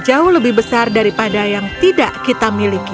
jauh lebih besar daripada yang tidak kita miliki